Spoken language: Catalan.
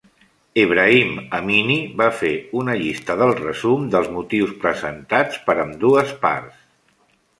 Ebrahim Amini va fer una llista del resum dels motius presentats per ambdues parts.